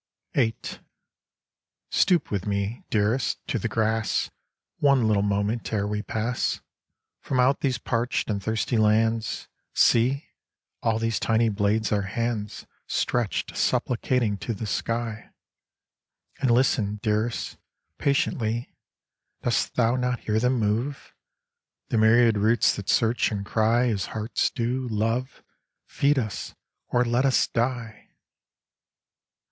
VIII Stoop with me, Dearest, to the grass One little moment ere we pass From out these parched and thirsty lands, See! all these tiny blades are hands Stretched supplicating to the sky, And listen, Dearest, patiently, Dost thou not hear them move? The myriad roots that search, and cry As hearts do, Love, "Feed us, or let us die!"